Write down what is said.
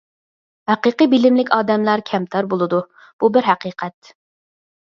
ھەقىقىي بىلىملىك ئادەملەر كەمتەر بولىدۇ. بۇ بىر ھەقىقەت.